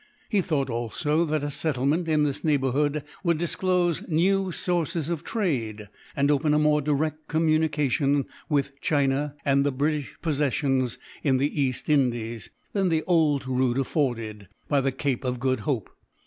He thought, also, that a settlement in this neighborhood would disclose new sources of trade, and open a more direct communication with China, and the British possessions in the East Indies, than the old route afforded, by the Cape of Good Hope.